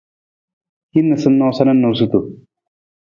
Hin noosanoosa na noosutu.